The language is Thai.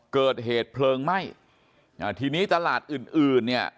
เกิดเหตุเพลิงไหม้อ่าทีนี้ตลาดอื่นอื่นเนี่ย